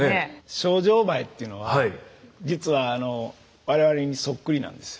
ショウジョウバエっていうのは実は我々にそっくりなんですよ。